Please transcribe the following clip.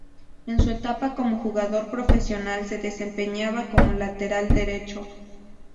En su etapa como jugador profesional se desempeñaba como lateral derecho.